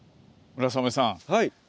村雨さん。